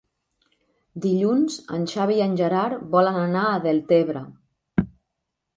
Dilluns en Xavi i en Gerard volen anar a Deltebre.